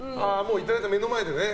いただいた目の前でね。